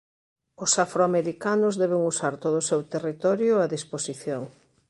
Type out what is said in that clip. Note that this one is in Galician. Os afroamericanos deben usar todo o seu territorio a disposición.